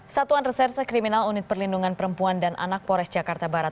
satuan reserse kriminal unit perlindungan perempuan dan anak pores jakarta barat